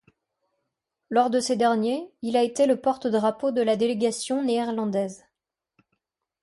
Lors de ces derniers, il a été le porte-drapeau de la délégation néerlandaise.